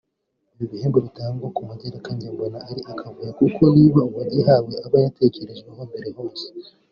Ibi bihembo bitangwa ku mugereka njye mbona ari akavuyo kuko niba uwagihawe aba yatekerejweho mbere hose